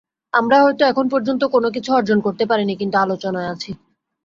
আমরা হয়তো এখন পর্যন্ত কোনো কিছু অর্জন করতে পারিনি, কিন্তু আলোচনায় আছি।